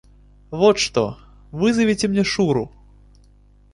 Вот что, вызовите мне Шуру.